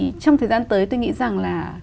thì trong thời gian tới tôi nghĩ rằng là